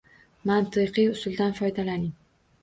Mantiqiy usuldan foydalaning.